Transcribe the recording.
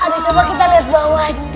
aduh coba kita liat bawah ini